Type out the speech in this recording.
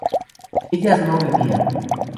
ellas no bebían